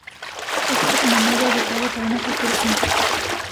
Esto es a menudo adecuado para una estructura simple.